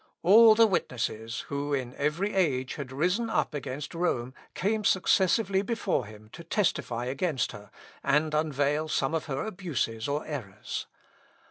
All the witnesses, who in every age had risen up against Rome came successively before him to testify against her, and unveil some of her abuses or errors.